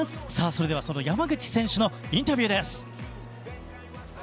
それでは山口選手のインタビューです。